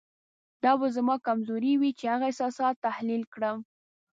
دا به زما کمزوري وي چې هغه احساسات تحلیل کړم.